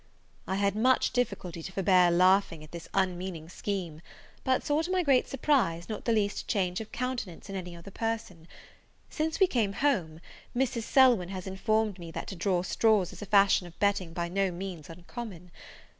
I had much difficulty to forbear laughing at this unmeaning scheme; but saw, to my great surprise, not the least change of countenance in any other person: and, since we came home, Mrs. Selwyn has informed me, that to draw straws is a fashion of betting by no means uncommon.